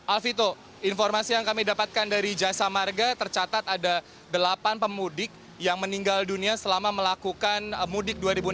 alvito informasi yang kami dapatkan dari jasa marga tercatat ada delapan pemudik yang meninggal dunia selama melakukan mudik dua ribu enam belas